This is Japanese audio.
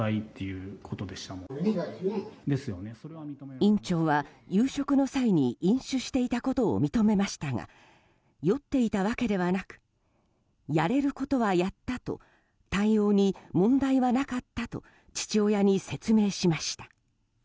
院長は夕食の際に飲酒していたことを認めましたが酔っていたわけではなくやれることはやったと対応に問題はなかったと父親に説明しました。